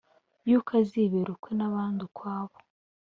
Yuko azibera ukwe nabandi ukwabo